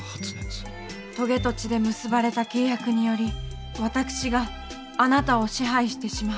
とげと血で結ばれた契約により私があなたを支配してしまう。